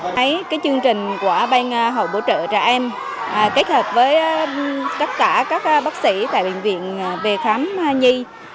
thấy chương trình của bang hậu bổ trợ trẻ em kết hợp với tất cả các bác sĩ tại bệnh viện về khám nhi